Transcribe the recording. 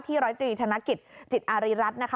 ที่รอดินิทานกิจจิตอาริรัตร